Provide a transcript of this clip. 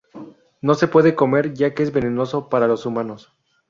No se puede comer ya que es venenoso para los humanos.